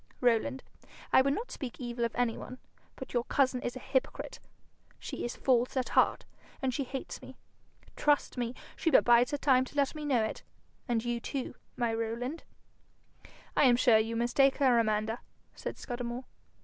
Rowland, I would not speak evil of any one, but your cousin is a hypocrite. She is false at heart, and she hates me. Trust me, she but bides her time to let me know it and you too, my Rowland.' 'I am sure you mistake her, Amanda,' said Scudamore.